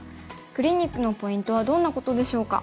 クリニックのポイントはどんなことでしょうか。